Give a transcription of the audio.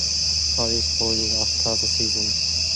Paris folded after the season.